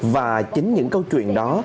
và chính những câu chuyện đó